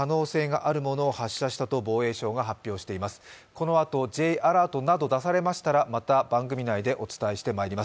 このあとＪアラートなど出されましたらまた番組内でお伝えしてまいります。